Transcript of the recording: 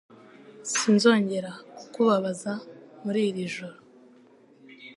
Sinzongera kukubabaza muri iri joro